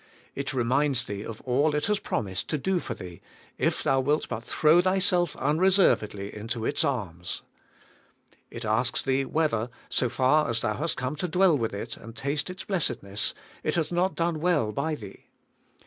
It reminds thee of all it has promised to do for thee, if thou wilt but throw thyself unreservedly into its arms. It asks thee whether, so far as thou AND IN HIS LOVE, 169 hast come to dwell with it and taste its blessedness, it hath not done well by thee.